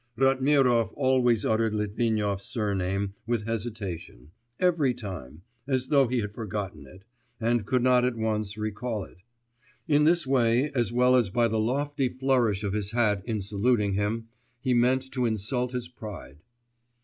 Ratmirov always uttered Litvinov's surname with hesitation, every time, as though he had forgotten it, and could not at once recall it.... In this way, as well as by the lofty flourish of his hat in saluting him, he meant to insult his pride.